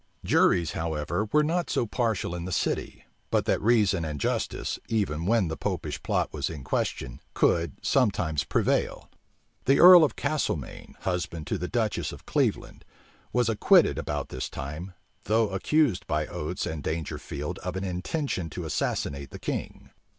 Juries, however, were not so partial in the city, but that reason and justice, even when the Popish plot was in question, could sometimes prevail. The earl of Castlemaine, husband to the duchess of Cleveland, was acquitted about this time, though accused by Oates and Dangerfield of an intention to assassinate the king.